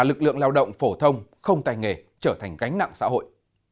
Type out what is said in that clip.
lao động phổ thông không tài nghề trở thành cánh nặng xã hội